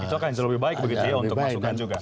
itu akan lebih baik begitu ya untuk masukkan juga